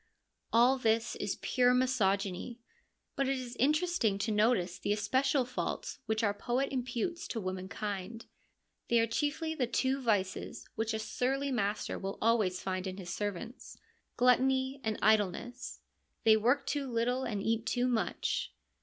All this is pure misogyny ; but it is interesting to notice the especial faults which our poet imputes to womankind. They are chiefly the two vices which a surly master will always find in his servants, gluttony and idleness ; they work too little and eat too much.